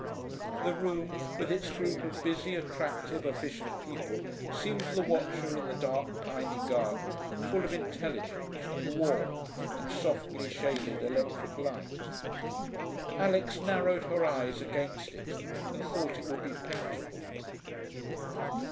The room, with its group of busy, attractive, efficient people, seemed to the watcher in the dark piny garden full of intelligence and war and softly shaded electric light. Alix narrowed her eyes against it and thought it would be paintable.